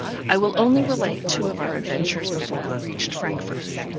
I will only relate two of our adventures before we reached Frankfort.